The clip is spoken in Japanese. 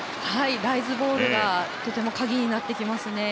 ライズボールがとても鍵になってきますね。